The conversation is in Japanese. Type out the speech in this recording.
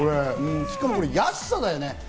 しかも安さだよね。